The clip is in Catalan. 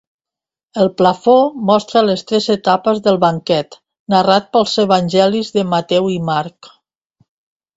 El plafó mostra les tres etapes del banquet narrat pels evangelis de Mateu i Marc.